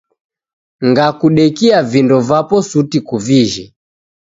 Ngakudekia vindo vapo suti kivijhe